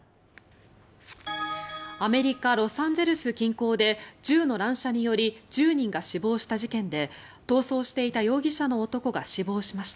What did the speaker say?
アメリカ・ロサンゼルス近郊で銃の乱射により１０人が死亡した事件で逃走していた容疑者の男が死亡しました。